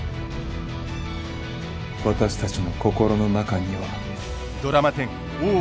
私たちの心の中には。